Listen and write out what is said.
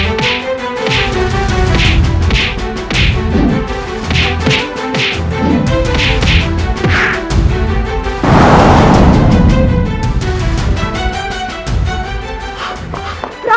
neh kan sudah kecil bang